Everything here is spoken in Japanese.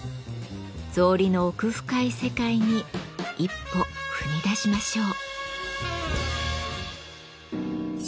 草履の奥深い世界に一歩踏み出しましょう。